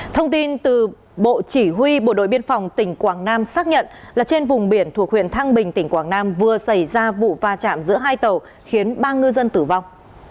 thông tin từ bộ chỉ huy bộ đội biên phòng tỉnh quảng nam xác nhận là trên vùng biển thuộc huyện thăng bình tỉnh quảng nam vừa xảy ra vụ va chạm giữa hai tàu khiến ba ngư dân tử vong